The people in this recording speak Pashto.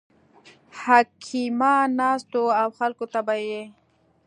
حکیمان ناست وو او خلکو ته به یې